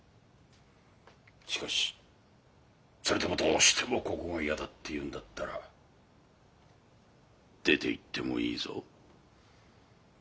しかしそれでもどうしてもここが嫌だって言うんだったら出ていってもいいぞ。